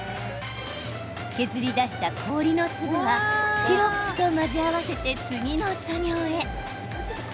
削り出した氷の粒はシロップと混ぜ合わせて次の作業へ。